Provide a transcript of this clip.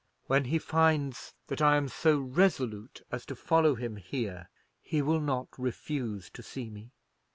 When he finds that I am so resolute as to follow him here, he will not refuse to see me."